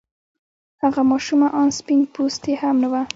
هغه ماشومه آن سپين پوستې هم نه وه.